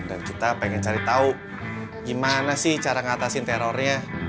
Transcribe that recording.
kita pengen cari tahu gimana sih cara ngatasin terornya